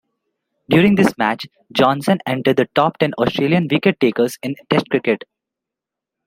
During this match Johnson entered the top ten Australian wicket takers in Test cricket.